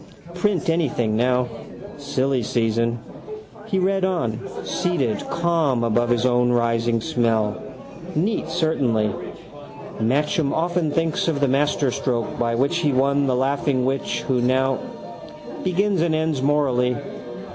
Print anything now. Silly season. He read on, seated calm above his own rising smell. Neat certainly. Matcham often thinks of the masterstroke by which he won the laughing witch who now. Begins and ends morally.